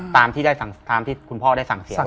ตามที่คุณพ่อได้สั่งเสียไว้